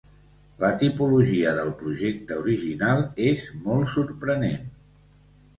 La tipologia del projecte original és molt sorprenent.